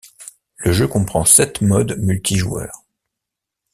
Le jeu comprend sept modes multijoueurs.